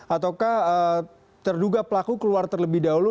ataukah terduga pelaku keluar terlebih dahulu